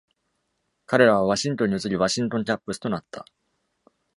彼らはワシントンに移り、ワシントン・キャップスとなった。